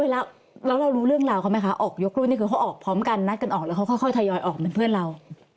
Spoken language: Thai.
แล้วเรารู้เรื่องราวเขาไหมคะออกยกรุ่นนี่คือเขาออกพร้อมกันนัดกันออกแล้วเขาค่อยทยอยออกเป็นเพื่อนเรา